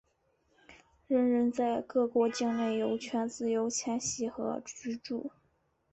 人人在各国境内有权自由迁徙和居住。